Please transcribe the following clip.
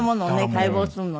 解剖するのね。